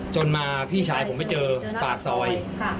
จนมาพี่ชายผมไปเจอปากซอย